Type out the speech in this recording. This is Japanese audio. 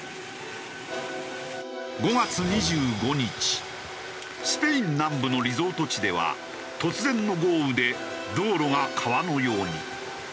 ５月２５日スペイン南部のリゾート地では突然の豪雨で道路が川のように。